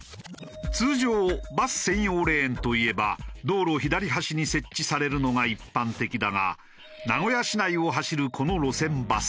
通常バス専用レーンといえば道路左端に設置されるのが一般的だが名古屋市内を走るこの路線バス。